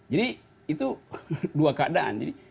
jadi itu dua keadaan